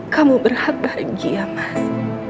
kamu berhak bahagia mas